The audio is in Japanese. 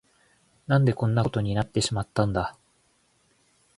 何でこんなことになってしまったんだ。